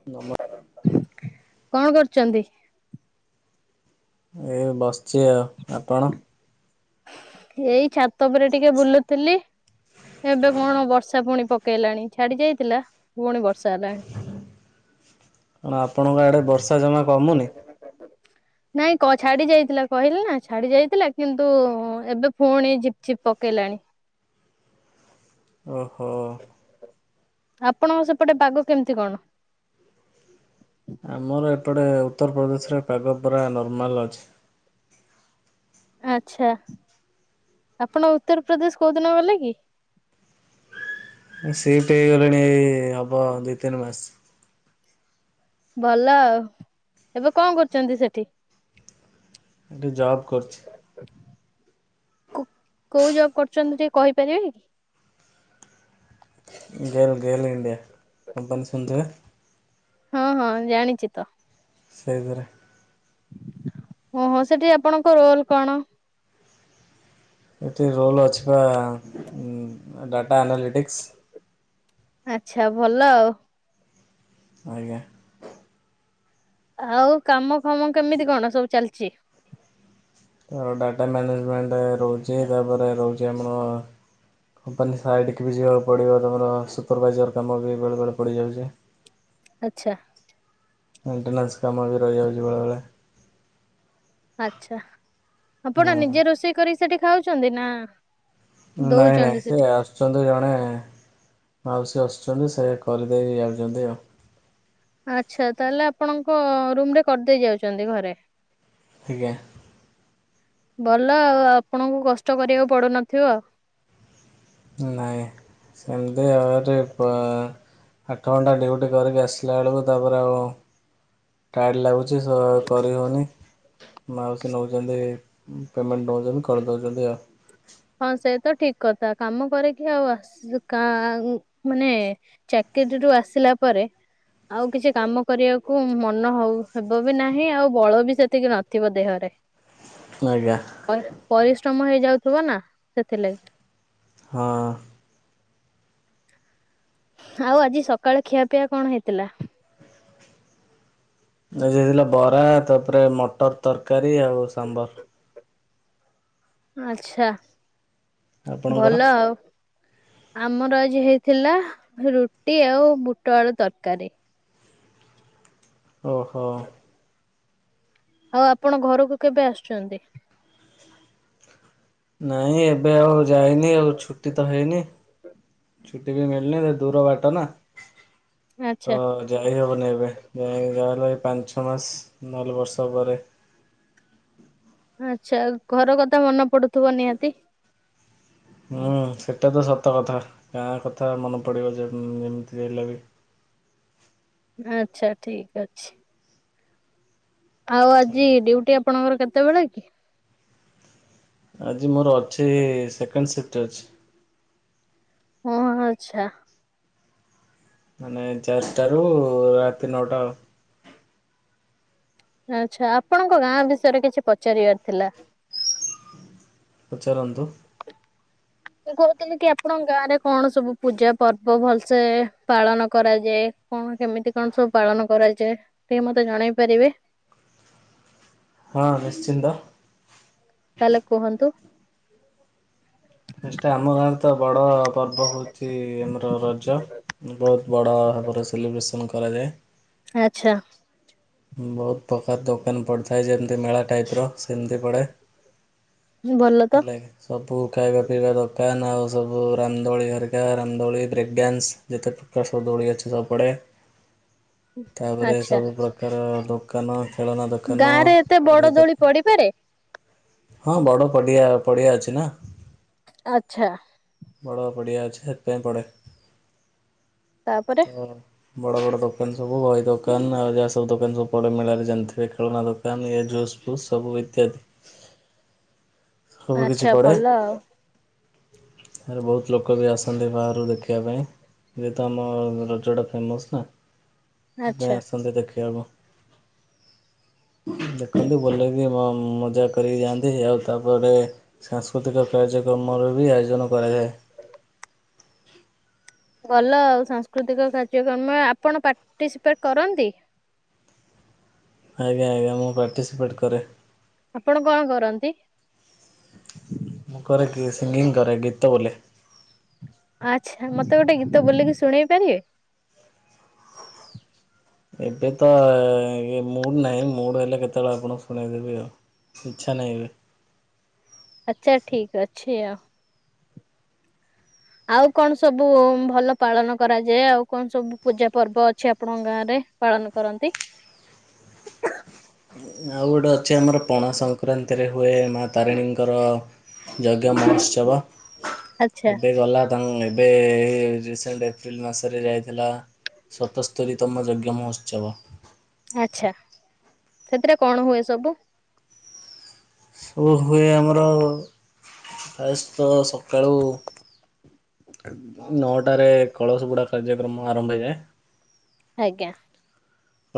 [unintelligible] କଣ କରୁଚନ୍ତି? ଏଇ ବସିଚି ଆଉ ଆପଣ? ଏଇ ଛାତ ଉପରେ ଟିକେ ବୁଲୁଥିଲି। ଏବେ କଣ ବର୍ଷା ପୁଣି ପକେଇଲାଣି ଛାଡି ଯାଇଥିଲା ପୁଣି ବର୍ଷା ହେଲାଣି। କଣ ଆପଣଙ୍କ ଆଡ଼େ ବର୍ଷା ଜମା କମୁନି? ନାଇଁ କ ଛାଡ଼ି ଯାଇଥିଲା କହିଲି ନା ଛାଡ଼ି ଯାଇଥିଲା କିନ୍ତୁ ଏବେ ପୁଣି ଝିପ୍ ଝିପ୍ ପକେଇଲାଣି। ଓହୋ। ଆପଣଙ୍କ ସେପଟେ ପାଗ କେମିତି କଣ? ଆମର ଏପଟେ ଉତ୍ତରପ୍ରଦେଶରେ ପାଗ ପୁରା ନର୍ମାଲ୍ ଅଛି। ଆଛା ଆପଣ ଉତ୍ତରପ୍ରଦେଶ କୋଉଦିନ ଗଲେ କି? ସିପ୍ଟ ହେଇଗଲିଣି ଏଇ ହବ ଦୁଇ ତିନି ମାସ। ଭଲ ଆଉ ଏବେ କଣ କରୁଚନ୍ତି ସେଠି? ଏଠି ଜବ୍ କରୁଛି। କୁ କୋଉ ଜବ୍ କରୁଚନ୍ତି ଟିକେ କହିପାରିବେ କି? ଗେଲ ଗେଲ ଇଣ୍ଡିଆ କମ୍ପାନୀ ଶୁଣିଥିବେ? ହଁ ହଁ ଜାଣିଛି ତ। ସେଇଥିରେ। ଓହୋ ସେଠି ଆପଣଙ୍କ ରୋଲ କଣ? ଏଠି ରୋଲ ଅଛିି ପା ଡାଟା ଆନାଲିଟିକ୍ସ୍। ଆଛା ଭଲ ଆଉ। ଆଜ୍ଞା। ଆଉ କାମ ଫାମ କେମିତି କଣ ସବୁ ଚାଲିଚି? ଆଉ ଡାଟା ମ୍ୟାନେଜମେଣ୍ଟ ରହୁଚି ତାପରେ ରହୁଚି ଆମର କମ୍ପାନୀ ସାଇଡ଼ିକି ବି ଯିବାକୁ ପଡ଼ିବ ତମର ସୁପରଭାଇଜର କାମ ବି ବେଳେ ବେଳେ ପଡ଼ିଯାଉଚି। ଆଛା। ମେଣ୍ଟେନ୍ସା କାମ ବି ରହିଯାଉଚି ବେଳେବେଳେ। ଆଛା ଆପଣ ନିଜେ ହୁଁ ରୋଷେଇ କରିକି ସେଠି ଖାଉଚନ୍ତି ନା? ନାଇଁ ଦଉଛନ୍ତି ନାଇଁ ସେ ସେଠି? ଆସୁ ଆସୁଚନ୍ତି ଜଣେ ମାଉସୀ ଆସୁଚନ୍ତି ସେ କରିଦେଇକି ଯାଉଚନ୍ତି ଆଉ। ଆଚ୍ଛା ତାହେଲେ ଆପଣଙ୍କ ରୁମ ରେ କରିଦେଇ ଯାଉଚନ୍ତି ଘରେ? ଆଜ୍ଞା। ଭଲ ଆଉ ଆପଣଙ୍କୁ କଷ୍ଟ କରିବାକୁ ପଡୁନଥିବ। ନାଇଁ ସେମତି ଆଉ ଗୋଟେ ପ ଆଠ ଘଣ୍ଟା ଡ୍ୟୁଟି କରିକି ଆସିଲା ବେଳକୁ ତାପରେ ଆଉ ଟାଏଡ଼ ଲାଗୁଛି ସ କରିହଉନି। ମାଉସି ନୋଉଛନ୍ତି ପେମେଣ୍ଟ ନୋଉଛନ୍ତି କରି ଦୋଉଛନ୍ତି ଆଉ। ହଁ ସେ ତ ଠିକ କଥା କାମ କରିକି ଆଉ ଆସି କା ମାନେ ଚାକିରିରୁୁ ଆସିଲା ପରେ ଆଉ କିଛି କାମ କରିବାକୁ ମନ ହଉ ହେବ ବି ନାହିଁ ଆଉ ବଳ ବି ସେତିକି ନଥିବ ଦେହରେ। ହ କରିବା ପରି ପରିଶ୍ରମ ହେଇଯାଉଥିବ ନା ସେଥିଲାଗି। ହଁ। ଆଉ ଆଜି ସକାଳେ ଖିଆପିଆ କଣ ହେଇଥିଲା? ଆଜି ହେଇଥିଲା ବରା ତାପରେ ମଟର ତରକାରୀ ଆଉ ସାମ୍ବର। ଆଛା ଆପଣଙ୍କର ଭଲ ଆଉ। ଆମର ଆଜି ହେଇଥିଲା ରୁଟି ଆଉ ବୁଟ ଆଳୁ ତରକାରୀ। ଓହୋ। ଆଉ ଆପଣ ଘରକୁ କେବେ ଆସୁଛନ୍ତି? ନାଇଁ ଏବେ ଆଉ ଯାଇନି ଆଉ ଛୁଟି ତ ହେଇନି। ଛୁଟି ବି ମିଳନି ଦୂର ବାଟ ନା ଆଚ୍ଛା ତ ଯାଇହବନି ଏବେ। ଯାଇ ଯାହାହେଲେ ପାଞ୍ଚ ଛଅ ମାସ ନହେଲେ ବର୍ଷ ପରେ। ଆଚ୍ଛା ଘର କଥା ମନେ ପଡୁଥିବ ନିହାତି? ହୁଁ ସେଇଟା ତ ସତ କଥା ଗାଁ କଥା ମନେ ପଡ଼ିବ ଯେ ଯେମିତି ହେଲେ ବି। ଆଛା ଠିକ ଅଛି। ଆଉ ଆଜି ଆଜ୍ଞା। ଡ୍ୟୁଟି ଆପଣଙ୍କର କେତେବେଳେ କି? ଆଜି ମୋର ଅଛି ସେକେଣ୍ଡ ସିଫ୍ଟ ଅଛି। ହଁ ଆଚ୍ଛା। ମାନେ ଚାରିଟାରୁ ରାତି ନଅଟା ଆଉ। ଆଛା ଆପଣଙ୍କ ଗାଁ ବିଷୟରେ କିଛି ପଚାରିବାର ଥିଲା। ପଚାରନ୍ତୁ। ମୁଁ କହୁଥିଲି କି ଆପଣଙ୍କ ଗାଁ ରେ କଣ ସବୁ ପୂଜା ପର୍ବ ଭଲସେ ପାଳନ କରାଯାଏ? କଣ କେମିତି କଣ ସବୁ ପାଳନ କରାଯାଏ। ଟିକେ ମତେ ଜଣେଇ ପାରିବେ? ହଁ ନିଶ୍ଚିନ୍ତ। ତାହେଲେ କୁହନ୍ତୁ। ଫାଷ୍ଟ ଆମ ଗାଁ ରେ ତ ବଡ଼ ପର୍ବ ହୋଉଛି ଆମର ରଜ। ବହୁତ ବଡ଼ ଭାବରେ ସେଲିବ୍ରେସନ୍ କରାଯାଏ। ଆଛା। ବହୁତ ପ୍ରକାର ଦୋକାନ ପଡ଼ିଥାଏ ଯେମିତି ମେଳା ଟାଇପ ର ସେମିତି ପଡ଼େ। ଭଲ ତ ହେଲାକି। ସବୁ ଖାଇବା ପିଇବା ଦୋକାନ ଆଉ ସବୁ ରାମଦୋଳି ହେରିକା ରାମଦୋଳି ବ୍ରେକ୍ଡ୍ୟାନ୍ସ। ଯେତେ ପ୍ରକାର ସବୁ ଦୋଳି ଅଛି ସବୁପଡ଼େ। [inaudible] ତାପରେ ଆଚ୍ଛା ସବୁ ପ୍ରକାର ଦୋକାନ ଖେଳନା ଦୋକାନ ବହି ଦୋକା ସାରେ ହଁ ବଡ ପଡିଆ ପଡିଆ ଅଛି ନା। ଆଛା। ବଡ ପଡିଆ ଅଛି ସେଥିପାଇଁ ପଡେ ତାପରେ ତ ବଡ ବଡ ଦୋକାନ ସବୁ ବହି ଦୋକାନ ଆଉ ଯାହା ସବୁ ଦୋକାନ ସବୁ ପଡେ ମେଳାରେ ଜାଣିଥିବେ ଖେଳନା ଦୋ କାନ ଇଏ ଜୁସଫୁସ ସବୁ ଇତ୍ୟାଦି ସବୁ କିଛି ଆଚ୍ଛା ପଡ଼େ ଭଲ ଆଉ। ଏଠାରେ ବହୁତ ଲୋକ ବି ଆସନ୍ତି ବାହାରୁ ଦେଖିବା ପାଇଁ। ଯେହେତୁ ଆମ ରଜଟା ଫେମସ ନା ଆଚ୍ଛା। ସେଥିପାଇଁ ଆସନ୍ତି ଦେଖିବାକୁ। [inaudible] ଦେଖନ୍ତି ଭଲକି ମଜା କରିକି ଯାଆନ୍ତି ଆଉ ତାପରେ ସାଂସ୍କୃତିକ କାର୍ଯ୍ୟକ୍ରମର ବି ଆୟୋଜନ କରାଯାଏ। ଭଲ ଆଉ ସାଂସ୍କୃତିକ କାର୍ଯ୍ୟକ୍ରମ ଆପଣ ପାର୍ଟିସିପେଟ କରନ୍ତି? ଆଜ୍ଞା ଆଜ୍ଞା ମୁଁ ପାର୍ଟିସିପେଟ୍ କରେ। ଆପଣ କଣ କରନ୍ତି? ମୁଁ କରେ କି ସିଙ୍ଗିଙ୍ଗ କରେ ଗୀତ ବୋଲେ। ଆଚ୍ଛା ମତେ ଗୋଟେ ଗୀତ ବୋଲିକି ଶୁଣେଇ ପାରିବେ? ଏବେ ତ ମୁଡ ନାହିଁ ମୁଡ ହେଲେ କେତେବେଳେ ଆପଣ ଶୁଣେଇଦେବି ଆଉ। ଇଛା ନାହିଁ ଏବେ। ଆଚ୍ଛା ଠିକ ଅଛି ଆଉ। ଆଉ କଣ ସବୁ ଭଲ ପାଳନ କରାଯାଏ ଆଉ କଣ ସବୁ ପୂଜା ପର୍ବ ଅଛି ଆପଣଙ୍କ ଗାଁ ରେ? ପାଳନ କରନ୍ତି। ଆଉ ଗୋଟେ ଅଛି ଆମର ପଣା ସଂକ୍ରାନ୍ତିରେ ହୁଏ ମାଆ ତାରିଣୀଙ୍କର ଯଜ୍ଞ ମହୋତ୍ସବ ଆଚ୍ଛା ଏବେ ଗଲା। ଏବେ ରିସେଣ୍ଟ ଏପ୍ରିଲ ମାସରେ ଯାଇଥିଲା ସତସ୍ତରୀ ତମ ଯଜ୍ଞ ମହୋତ୍ସବ? ଆଛା ସେଥିରେ କଣ ହୁଏ ସବୁ। ସବୁ ହୁଏ ଆମର ପ୍ରାୟସ୍ତ ସକାଳୁ ନଅଟାରେ କଳସ ବୁଡ଼ା କାର୍ଯ୍ୟକ୍ରମ ଆରମ୍ଭ ହେଇଯାଏ। ଆଜ୍ଞା।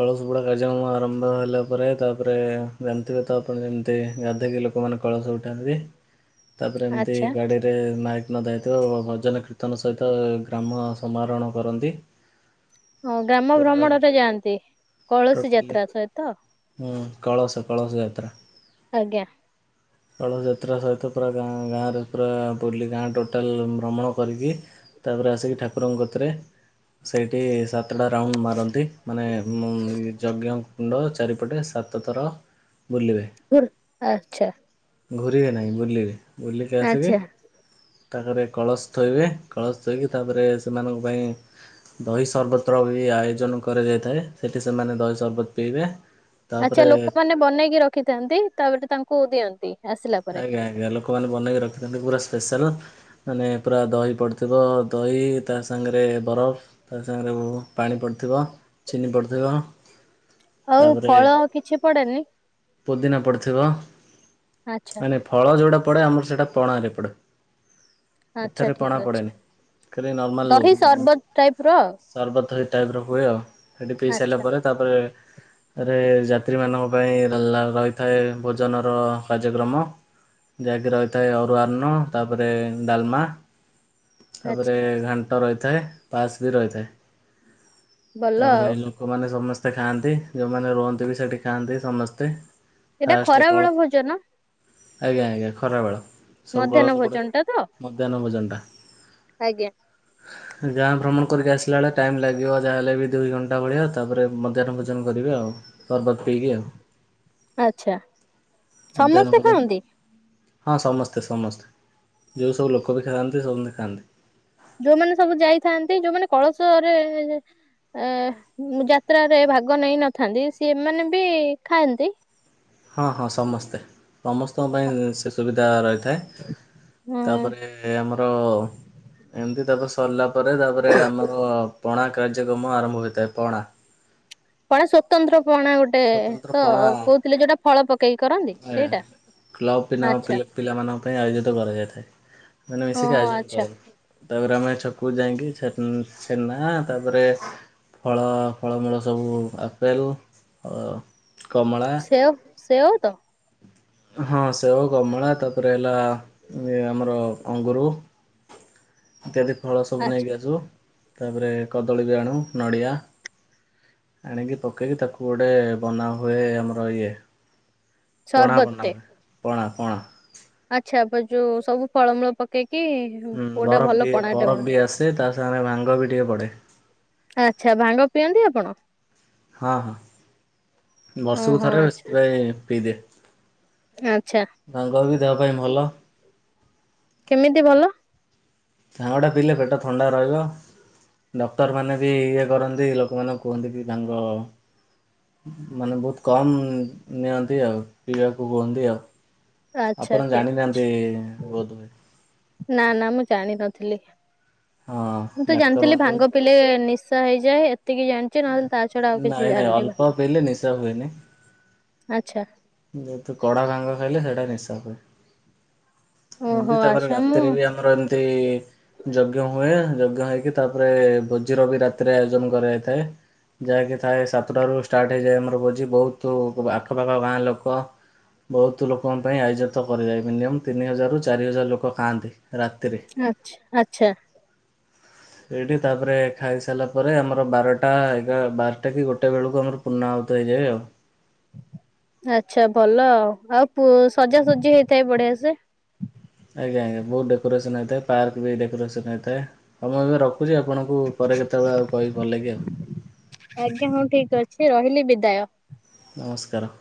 କଳସବୁଡ଼ା କାର୍ଯ୍ୟକ୍ରମ ଆରମ୍ଭ ହେଲା ପରେ ତାପରେ ଜାଣିଥିବେ ତ ଆପଣ ଯେମିତି ଗାଧେଇକି ଲୋ ଲୋକମାନେ କଳସ ଉଠାନ୍ତି। ହ [inaudible] ତାପରେ ଏମିତି ଗାଡ଼ି ରେ ମାଇକ ନଦା ହେଇଥିବ ଭଜନ କୀର୍ତ୍ତନ ସହିତ ଗ୍ରାମ ସମାରୋହଣ କରନ୍ତି। ହଁ ଗ୍ରାମ ପୁରା ଭ୍ରମଣରେ ଯାଆନ୍ତି କଳସୀ ଟୋଟାଲି ଯାତ୍ରା ସହିତ। ହୁଁ କଳସ କଳସ ଯାତ୍ରା। ଆଜ୍ଞା। କଳସ ଯାତ୍ରା ସହିତ ପୁରା ଗାଁ ଗାଁରେ ପୁରା ବୁଲି ଗାଁ ଟୋଟାଲ ଭ୍ରମଣ କରିକି ତାପରେ ଆସିକି ଠାକୁରଙ୍କ କତିରେ ସେଇଠି ସା ସାତଟା ରାଉଣ୍ଡ ମାରନ୍ତି ମାନେ ଯଜ୍ଞ କୁଣ୍ଡ ଚାରିପଟେ ସାତ ଥର ବୁଲିବେ ଆଚ୍ଛା। ଘୁରିବେ ନାଇଁ ବୁଲିବେ ବୁଲିକି ଆସିକି ଆଚ୍ଛା ତାପରେ କଳସ ଥୋଇବେ କଳସ ଥୋଇକି ତାପରେ ସେମାନଙ୍କ ପାଇଁ ଦହି ସରବତର ବି ଆୟୋଜନ କରାଯାଇଥାଏ ସେଠି ସେମାନେ ଦହି ସର୍ବତ ପିଇବେ। ଆଚ୍ଛା ତାପରେ ଲୋକମାନେ ବନେଇକି ରଖିଥାନ୍ତି ତାପରେ ତାଙ୍କୁ ଦିଅନ୍ତି। ଆସିଲା ପରେ। ଆଜ୍ଞା ଆଜ୍ଞା ଲୋକମାନେ ବନେଇକି ରଖିଥାନ୍ତି ପୁରା ସ୍ପେଶାଲ ମାନେ ପୁରା ଦହି ପଡ଼ିଥିବ ଦହି ତା ସାଙ୍ଗରେ ବରଫ ତା ସାଙ୍ଗରେ ପାଣି ପଡ଼ିଥିବ ଚିନି ପଡ଼ିଥିବ। ଆଉ ଫଳ କିଛି ପଡେନି? ପୁଦିନା ପଡ଼ିଥିବ। ଆଚ୍ଛା। ମାନେ ଫଳ ଯଉଟା ପଡେ ଆମର ସେଇଟା ପଣାରେ ପଡେ। ଆଚ୍ଛା ଏଥରେ ଠିକ ପଣା ଅଛି। ପଡ଼େନି ଖାଲି ଦହି ନର୍ମାଲ ସରବତ ଟାଇପ ର ଆଉ ସରବତ ହେଇ ଟାଇପ୍ର ହୁଏ ଆଉ ହେଠି ପିଇ ସାରିଲା ଆଚ୍ଛା ପରେ ତାପରେ ରେ ଯାତ୍ରୀମାନଙ୍କ ପାଇଁ ରହିଥାଏ ଭୋଜନର କାର୍ଯ୍ୟକ୍ରମ ଯାହାକି ରହିଥାଏ ଅରୁଆଅନ୍ନ ତାପରେ ଡାଲମା ତାପରେ ଆଚ୍ଛା ଘାଣ୍ଟ ରହିଥାଏ ପାସ୍ ବି ରହିଥାଏ। ଭଲ ତାପରେ ଆଉ। ଲୋକମାନେ ସମସ୍ତେ ଖାଆନ୍ତି ଯେଉଁମାନେ ରୁହନ୍ତି ବି ସେଠି ଖାଆନ୍ତି ସମସ୍ତେ। ଏଇଟା ଫାଷ୍ଟ କଳ ଖରାବେଳ ଭୋଜନ? ଆଜ୍ଞା ଆଜ୍ଞା ଖରା ବେଳ। ମଧ୍ୟାହ୍ନ ଭୋଜନ ଟା ତ ଭୋଜନଟା ଆଜ୍ଞା। ଗାଁ ଭ୍ରମଣ କରିକି ଆସିଲା ବେଳେ ଟାଇମ୍ ଲାଗିବ ଯାହାହଲେ ବି ଦୁଇ ଘଣ୍ଟା ଭଳିଆ ତାପରେ ମଧ୍ୟାହ୍ନ ଭୋଜନ କରିବେ ଆଉ। ସ ବାତ ପକି ଆଉ ଆଚ୍ଛା। ଦେ ନ ସମସ୍ତେ ଭଜନ। ଖାଆନ୍ତି ହଁ ସମସ୍ତେ ସମସ୍ତେ ଯେଉଁ ସବୁ ଲୋକ ବି ଖାଆନ୍ତି ସମସ୍ତେ ଖାଆନ୍ତି। ଯୋଉମାନେ ସବୁ ଯାଇଥାନ୍ତି ଯୋଉମାନେ କଳସରେ ଏ ଯାତ୍ରାରେ ଭାଗ ନେଇ ନଥାନ୍ତି ସେମାନେ ବି ଖାଆନ୍ତି। ହଁ ହଁ ସମସ୍ତେ ସମସ୍ତଙ୍କ ପାଇଁ ସେ ସୁବିଧା ରହିଛି। ଥାଏ ହୁଁ ତାପରେ ଆମର ଏମତି ତା ସରିଲା ପରେ ତାପରେ ଆମର ପଣା କାର୍ଯ୍ୟକ୍ରମ ଆରମ୍ଭ ହୋଇଥାଏ। ପଣା ପଣା ସ୍ୱତନ୍ତ୍ର ପଣା ଗୋଟେ। ଗୋଟେ ସ୍ଵତନ୍ତ୍ର ତ ପଣା କହୁଥିଲେ ଯୋଉଟା ଫଳ ପକେଇକି କରନ୍ତି। ଏ ସେଇଟା କ୍ଲବ୍ ପିଲା ଆଛା ପିଲାମାନଙ୍କ ପାଇଁ ଆୟୋଜିତ କରାଯାଇଥାଏ ସେମାନେ ମିଶିକି ଓହୋ ଆୟୋଜନ ଆଚ୍ଛା କରନ୍ତି। ତାପରେ ଆମେ ଛକକୁ ଯାଇକିଛ ଛେନା ତାପରେ ଫଳ ଫଳମୂଳ ସବୁ ଆପେଲ୍ ଆ କମଳା ସେଓ ସେଓଉ ତ ହଁ ସେଓ କମଳା ତାପରେ ହେଲା ଆମର ଅଙ୍ଗୁର ଇତ୍ୟାଦି ଫଳ ସବୁ ନେଇକି ଆଚ୍ଛା ଆସୁ ତାପରେ କଦଳୀ ବି ଆଣୁ ନଡ଼ିଆ। ଆଣିକି ପକେଇକି ତାକୁ ଗୋଟେ ବନାହୁଏ ଆମର ଇଏ। ପଣା ବନା ସର୍ବତଟେ ହୁଏ ପଣା ପଣା ଆଚ୍ଛାପ ଯୋଉ ସବୁ ଫଳମୂଳ ପକେଇକି ହୁଁ କୋଉଟା ବରଫ ଭଲ ବି ପଣାଟେ ବନା ବରଫ ବି ଆସେ ତା ସାଙ୍ଗରେ ଭାଙ୍ଗ ବି ଟିକେ ପଡ଼େ। ଆଚ୍ଛା ଭାଙ୍ଗ ପିଅନ୍ତି ଆପଣ? ହଁ ହଁ ବର୍ଷକୁ ଓହୋ ଥରେ ଆଉ ଆଚ୍ଛା ସେଥିପାଇଁ ପିଇଦେ। ଆଚ୍ଛା। ଭାଙ୍ଗ ବି ଦେହ ପାଇଁ ଭଲ। କେମିତି ଭଲ? ଭାଙ୍ଗଟା ପିଇଲେ ପେଟ ଥଣ୍ଡା ରହିବ। ଡକ୍ଟରମାନେ ବି ଇଏ କରନ୍ତି ଲୋକମାନଙ୍କୁ କୁହନ୍ତି କି ଭାଙ୍ଗ ମାନେ ବହୁତ କମ ନିଅନ୍ତି ଆଉ ପିଇବାକୁ କୁହନ୍ତି ଆଉ। ଆଚ୍ଛା ଆପଣ ଠିକ ଜାଣିନାହାନ୍ତି ବୋଧହୁଏ। ନା ନା ମୁଁ ଜାଣିନଥିଲି। ହଁ ମୁଁ ତ ଡାକ୍ତର ଜାଣିଥିଲି ମାନେ ବି ଭାଙ୍ଗ ପିଇଲେ ନିଶା ହେଇଯାଏ ଏତିକି ଜାଣି ନହେଲେ ତା ଛଡା ଆଉ କିଛି ନାଇଁ ନାଇଁ ଜାନିନି। ଅଳ୍ପ ପିଇଲେ ନିଶା ଆଚ୍ଛା କଡା ଭାଙ୍ଗ ଖାଇଲେ ସେଇଟା ନିଶା ହୁଏ। ଓହୋ ଏମିତି ତାପରେ ଆଚ୍ଛା ମୁଁ ରାତିରେ ବି ଆମର ଏମିତି ଯଜ୍ଞ ହୁଏ। ଯଜ୍ଞ ହେଇକି ତାପରେ ଭୋଜିର ବି ରାତିରେ ଆୟୋଜନ କରାଯାଇଥାଏ। ଯାହାକି ଥାଏ ସାତଟାରୁ ଷ୍ଟାର୍ଟ ହେଇଯାଏ। ଆମର ଭୋଜି ବହୁତ ଆଖପାଖ ଗାଁ ଲୋକ ବହୁତ ଲୋକଙ୍କ ପାଇଁ ଆୟୋଜିତ କରାଯାଏ। ମିନିମମ୍ ତିନି ହଜାରରୁ ଚାରି ହଜାର ଲୋକ ଖାଆନ୍ତି ରାତିରେ। ଆଛ ଆଚ୍ଛା। ସେଇଠି ତାପରେ ଖାଇସାରିଲା ପରେ ଆମର ବାରଟା ଏଗାର ବାରଟା କି ଗୋଟେ ବେଳକୁ ଆମର ପୂର୍ଣ୍ଣ ଆହୁତି ହୋଇଯାଏ ଆଉ। ଆଚ୍ଛା ଭଲ ଆଉ। ଆଉ ସଜାସଜି ହେଇଥାଏ ବଢିଆ ସେ। ଆଜ୍ଞା ଆଜ୍ଞା ବହୁତ ଡେକୋରେସନ ହୋଇଥାଏ ପାର୍କ ବି ଡେକୋରେସନ ହୋଇଥାଏ। ହଉ ମୁଁ ଏବେ ରଖୁଛି ଆପଣଙ୍କୁ ପରେ କେତେବେଳେ ଆଉ କହକି ଭଲ ଲାଗି ଆଉ। ଆଜ୍ଞା ହଁ ଠିକ ଅଛି ରହିଲି ବିଦାୟ। ନମସ୍କାର